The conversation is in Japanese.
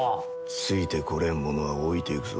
ついてこれん者は置いていくぞ。